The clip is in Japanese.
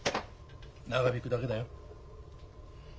長引くだけだよ。